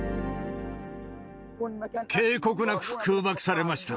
警告なく空爆されました。